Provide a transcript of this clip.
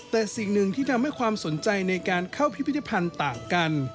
แต่สิ่งหนึ่งที่ทำให้ความสนใจในการเข้าพิพิธภัณฑ์ต่างกัน